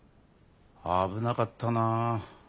危なかったな。